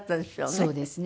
そうですね。